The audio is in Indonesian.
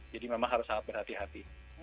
jadi memang harus sangat berhati hati